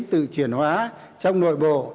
tự chuyển hóa trong nội bộ